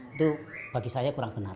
itu bagi saya kurang benar